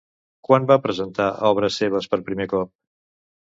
Quan va presentar obres seves per primer cop?